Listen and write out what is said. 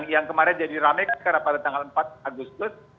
yang kemarin jadi rame sekarang pada tanggal empat agustus